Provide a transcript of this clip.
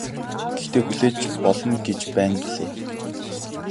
Гэхдээ хүлээж болно гэж байна билээ.